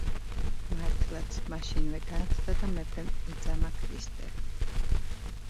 მართლაც, მაშინვე განათდა და მეფემ იწამა ქრისტე.